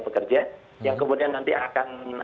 pekerja yang kemudian nanti akan